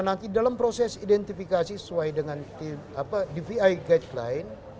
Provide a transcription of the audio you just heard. nanti dalam proses identifikasi sesuai dengan dvi guideline